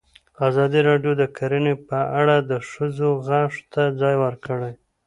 ازادي راډیو د کرهنه په اړه د ښځو غږ ته ځای ورکړی.